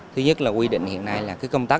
thứ nhất là quy định hiện nay là cứ công tắc